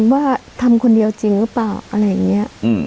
ว่าทำคนเดียวจริงหรือเปล่าอะไรอย่างนี้